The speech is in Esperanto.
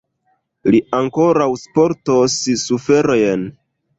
Li ankoraŭ spertos suferojn!